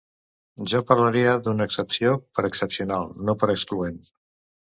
Jo parlaria d’una excepció per excepcional, no per excloent.